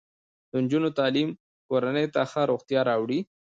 د نجونو تعلیم کورنۍ ته ښه روغتیا راوړي.